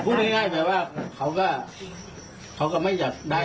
พูดง่ายแต่ว่าเขาก็ไม่อยากได้